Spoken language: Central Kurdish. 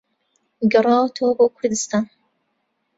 گەڕاوەتەوە بۆ کوردوستان